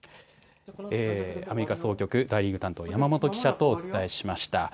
アメリカ総局大リーグ担当山本記者とお伝えしました。